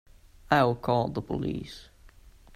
I'll call the police.